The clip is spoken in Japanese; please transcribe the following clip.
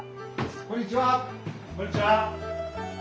・こんにちは！